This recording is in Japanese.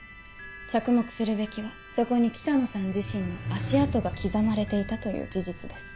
着目するべきはそこに北野さん自身の足跡が刻まれていたという事実です。